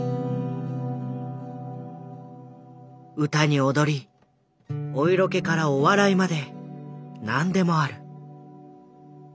歌に踊りお色気からお笑いまで何でもある。